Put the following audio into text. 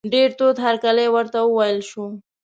ډېر تود هرکلی ورته وویل شو.